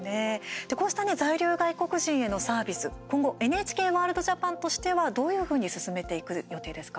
こうしたね在留外国人へのサービス、今後ＮＨＫワールドＪＡＰＡＮとしては、どういうふうに進めていく予定ですか。